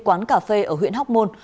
quán cà phê ở huyện hóc môn